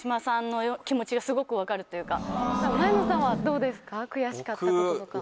前野さんはどうですか？